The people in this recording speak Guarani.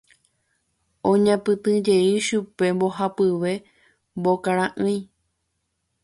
Oñapytĩjey chupe mbohapyve mbokara'ỹi.